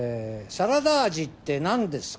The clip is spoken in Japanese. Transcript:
「サラダ味ってなんですか？」